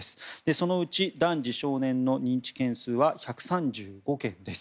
そのうち男児・少年の認知件数は１３５件です。